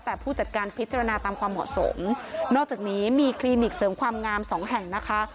แต่ผู้จัดการพิจารณาตามความเหมาะสมนอกจากนี้มีคลินิกเสริมความงามสองแห่งนะคะ